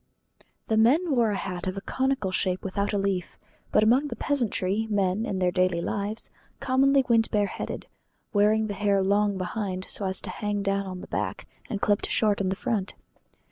The men wore a hat of a conical shape without a leaf; but among the peasantry, men, in their daily life, commonly went bare headed, wearing the hair long behind so as to hang down on the back, and clipped short in front.